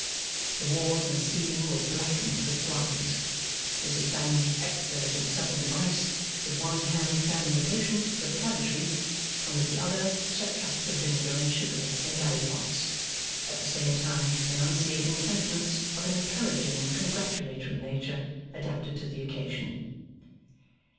The walls and ceiling were blackened with flies. Mrs Bangham, expert in sudden device, with one hand fanned the patient with a cabbage leaf, and with the other set traps of vinegar and sugar in gallipots; at the same time enunciating sentiments of an encouraging and congratulatory nature, adapted to the occasion.